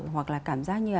hoặc là cảm giác như là